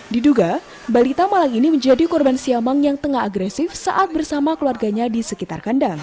diduga balita malang ini menjadi korban siamang yang tengah agresif saat bersama keluarganya di sekitar kandang